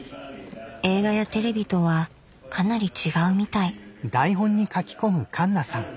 映画やテレビとはかなり違うみたい。